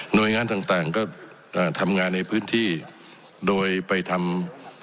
โดยงานต่างต่างก็อ่าทำงานในพื้นที่โดยไปทำ